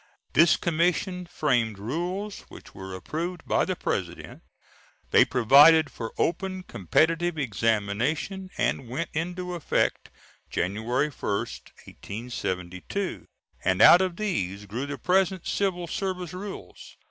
This commission framed rules, which were approved by the President. They provided for open competitive examination, and went into effect January 1, 1872; and out of these grew the present civil service rules.